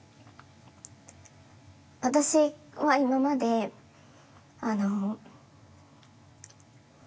私は今まであの。